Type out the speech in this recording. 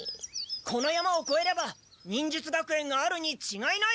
この山をこえれば忍術学園があるにちがいない！